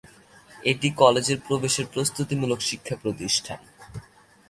এটি কলেজের প্রবেশের প্রস্তুতিমূলক শিক্ষা প্রতিষ্ঠান।